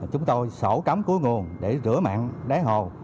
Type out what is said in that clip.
chúng tôi sổ cấm cuối nguồn để rửa mặn đáy hồ